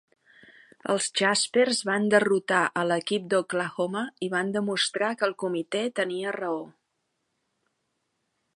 Els Jaspers van derrotar a l'equip d'Oklahoma i van demostrar que el comitè tenia raó.